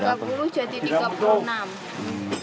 rp tiga puluh jadi tiga puluh enam